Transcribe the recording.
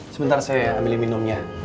sebentar saya ambil minumnya